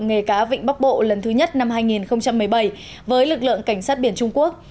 nghề cá vịnh bắc bộ lần thứ nhất năm hai nghìn một mươi bảy với lực lượng cảnh sát biển trung quốc